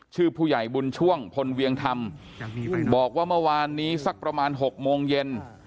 ชื่อผู้ใหญ่บุญช่วงพลเวียงธรรมบอกว่าเมื่อวานนี้สักประมาณ๖โมงเย็น